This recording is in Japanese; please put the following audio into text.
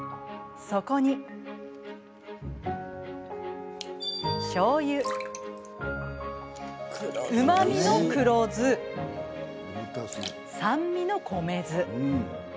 そこにしょうゆうまみの黒酢酸味の米酢。